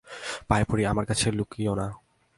পায়ে পড়ি, আমার কাছে লুকিয়ো না।